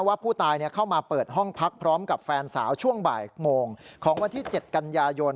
ว่าผู้ตายเข้ามาเปิดห้องพักพร้อมกับแฟนสาวช่วงบ่ายโมงของวันที่๗กันยายน